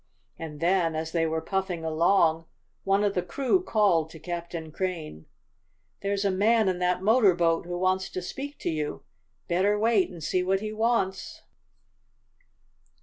And then, as they were puffing along, one of the crew called to Captain Crane: "There's a man in that motor boat who wants to speak to you! Better wait and see what he wants!"